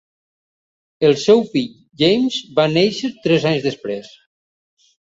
El seu fill James va néixer tres anys després.